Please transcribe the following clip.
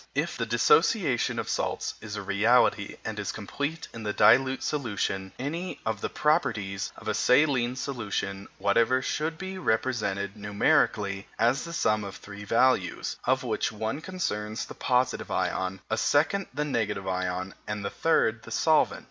If the dissociation of salts is a reality and is complete in a dilute solution, any of the properties of a saline solution whatever should be represented numerically as the sum of three values, of which one concerns the positive ion, a second the negative ion, and the third the solvent.